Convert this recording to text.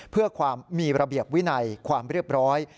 เพื่อความมีระเบียบวินัยความเรียบร้อย